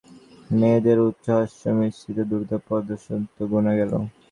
এমন সময় সিঁড়ির কাছ হইতে মেয়েদের উচ্চহাস্যমিশ্রিত দ্রুত পদশব্দ শুনা গেল।